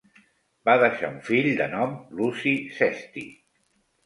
Va deixar un fill de nom Luci Sesti.